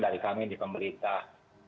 dari kami di pemerintah